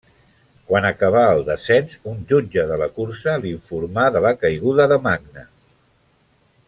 Quan acabà el descens un jutge de la cursa l'informà de la caiguda de Magne.